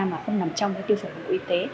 mà không nằm trong tiêu chuẩn bộ y tế